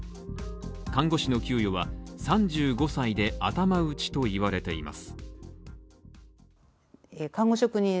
看護師の給与は３５歳で頭打ちと言われています。